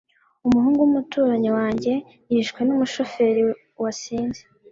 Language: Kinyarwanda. Umuhungu wumuturanyi wanjye yishwe numushoferi wasinze.